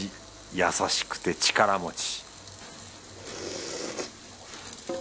優しくて力持ち